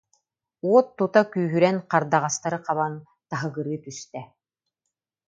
Уот тута күүһүрэн хардаҕастары хабан, таһы- гырыы түстэ